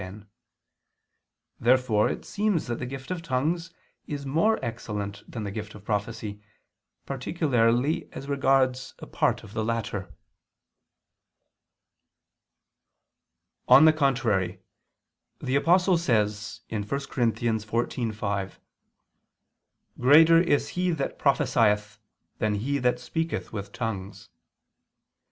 Therefore it seems that the gift of tongues is more excellent than the gift of prophecy, particularly as regards a part of the latter. On the contrary, The Apostle says (1 Cor. 14:5): "Greater is he that prophesieth than he that speaketh with tongues."